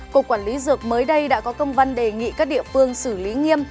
cục quản lý dược mới đây đã có công văn đề nghị các địa phương xử lý nghiêm